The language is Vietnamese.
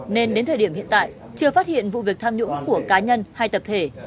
nên đến thời điểm hiện tại chưa phát hiện vụ việc tham nhũng của cá nhân hay tập thể